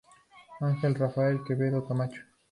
Ángel Rafael Quevedo Camacho.